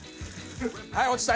はい落ちた！